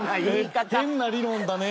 変な理論だね。